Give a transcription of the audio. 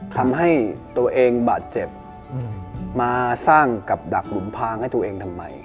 ทำให้ตัวเองบาดเจ็บมาสร้างกับดักหลุมพางให้ตัวเองทำไม